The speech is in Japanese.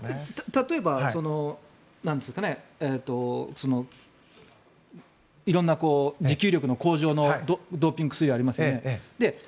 例えば、色んな持久力向上のドーピング、薬がありますよね。